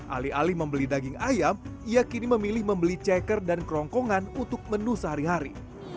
alih alih membeli daging ayam ia kini memilih membeli ceker dan kerongkongan untuk menu sehari hari